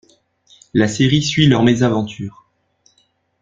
La série suit leurs mésaventures.